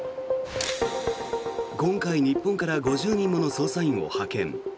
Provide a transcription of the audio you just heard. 今回、日本から５０人もの捜査員を派遣。